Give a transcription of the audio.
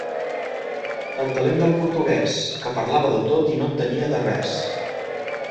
El talent del Portuguès, que parlava de tot i no entenia de res.